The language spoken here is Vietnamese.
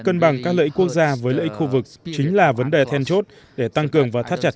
tăng lợi ích quốc gia với lợi ích khu vực chính là vấn đề then chốt để tăng cường và thắt chặt